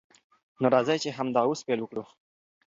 نو راځئ چې همدا اوس پیل وکړو.